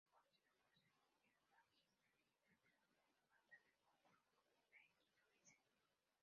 Fue conocido por ser el bajista original de la banda de punk rock Pennywise.